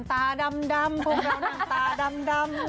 ตาดำพวกเรานั่งตาดำ